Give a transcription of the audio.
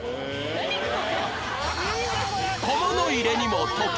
小物入れにも時計